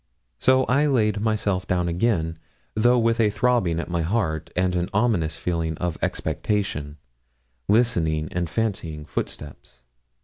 So I laid myself down again, though with a throbbing at my heart, and an ominous feeling of expectation, listening and fancying footsteps.